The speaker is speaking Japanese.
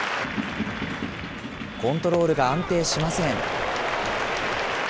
コントロールが安定しません。